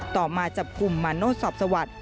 ต่อมาจับกลุ่มมาโน้ตสอบสวัสดิ